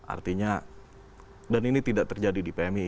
artinya dan ini tidak terjadi di pmi